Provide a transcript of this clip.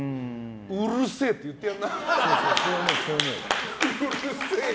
うるせえ！って言ってやりな。